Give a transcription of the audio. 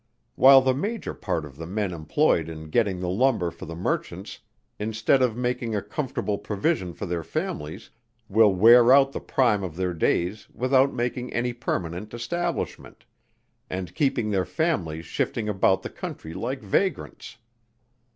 While the major part of the men employed in getting the lumber for the merchants, instead of making a comfortable provision for their families, will wear out the prime of their days without making any permanent establishment; and keep their families shifting about the country like vagrants.